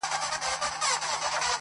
بيا به هم تفتان خلاص وي